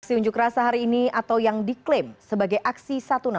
aksi unjuk rasa hari ini atau yang diklaim sebagai aksi satu ratus enam belas